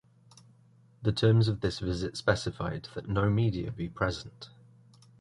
The terms of this visit specified that no media be present.